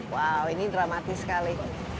wow ini dramatis sekali